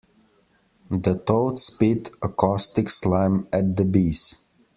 The toad spit a caustic slime at the bees.